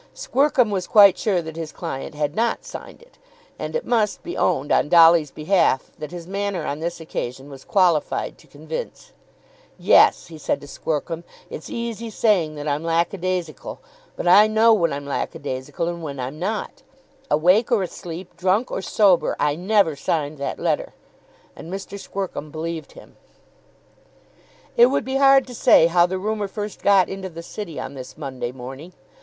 Squercum was quite sure that his client had not signed it. And it must be owned on Dolly's behalf that his manner on this occasion was qualified to convince. "Yes," he said to Squercum; "it's easy saying that I'm lack a daisical. But I know when I'm lack a daisical and when I'm not. Awake or asleep, drunk or sober, I never signed that letter." And Mr. Squercum believed him. It would be hard to say how the rumour first got into the City on this Monday morning.